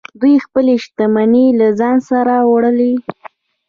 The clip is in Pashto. دوی خپلې شتمنۍ له ځان سره وړلې